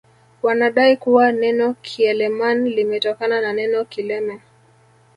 Wanadai kuwa neno kiileman limetokana na neno kileme